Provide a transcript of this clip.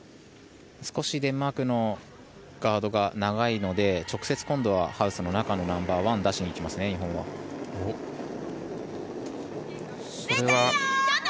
少しデンマークのガードが長いので直接今度はハウスの中のナンバーワンを出しに行きますね、日本は。